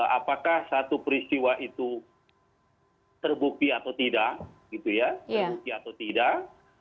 apakah satu peristiwa itu terbukti atau tidak